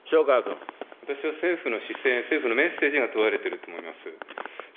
私は政府の姿勢、政府のメッセージが問われていると思います。